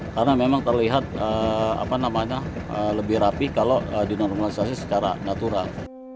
karena memang terlihat lebih rapi kalau dinormalisasi secara natural